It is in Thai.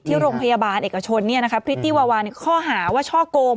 ที่โรงพยาบาลเอกชนพริตตี้วาวาข้อหาว่าช่อโกง